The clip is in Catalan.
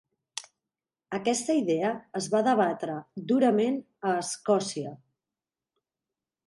Aquesta idea es va debatre durament a Escòcia.